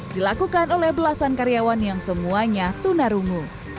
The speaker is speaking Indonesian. dilakukan oleh belasan karyawan yang semuanya tunarungu